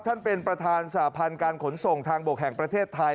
ท่านประธานเป็นประธานสาพันธ์การขนส่งทางบกแห่งประเทศไทย